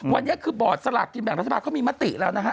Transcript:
วันเนี้ยคือบ่อสลักกินแบบราศาสตร์เขามีมติแล้วนะฮะ